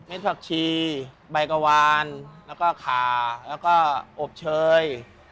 ผักชีใบกะวานแล้วก็ขาแล้วก็อบเชย